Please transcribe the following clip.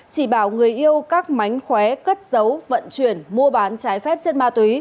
chỉ bảo người yêu các mánh khóe cất giấu vận chuyển mua bán trái phép chất ma túy